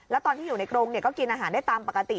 แล้วตอนที่อยู่ในกรงก็กินอาหารได้ตามปกติ